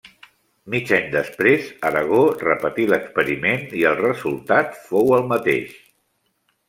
Mig any després, Aragó repetí l'experiment i el resultat fou el mateix.